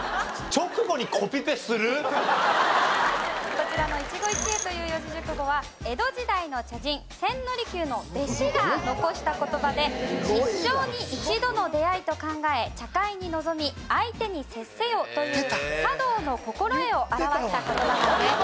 こちらの一期一会という四字熟語は江戸時代の茶人千利休の弟子が残した言葉で一生に一度の出会いと考え茶会に臨み相手に接せよという茶道の心得を表した言葉なんです。